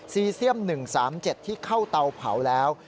เซียม๑๓๗ที่เข้าเตาเผาแล้ว